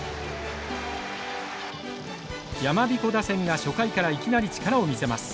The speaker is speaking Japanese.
やまびこ打線が初回からいきなり力を見せます。